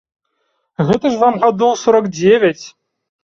Гэта ж вам гадоў сорак дзевяць.